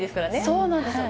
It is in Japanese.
そうなんですよね。